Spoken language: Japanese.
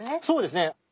そうですね。